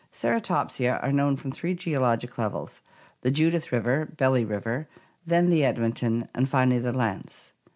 Ceratopsia are known from three geologic levels, the Judith River (= Belly River), then the Edmonton, and finally the Lance.